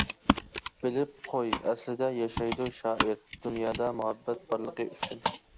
بىلىپ قوي ئەسلىدە ياشايدۇ شائىر، دۇنيادا مۇھەببەت بارلىقى ئۈچۈن.